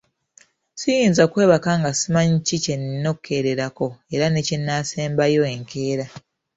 Siyinza kwebaka nga simanyi kiki kye nnina okukeererako era ne kye naasembayo enkeera.